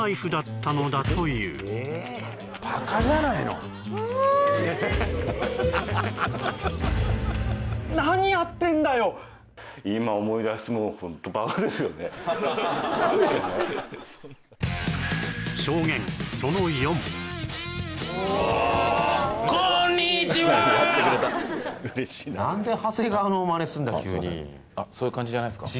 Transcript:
そういう感じじゃないですか